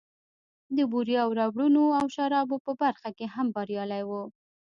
د بورې او ربړونو او شرابو په برخه کې هم بريالی و.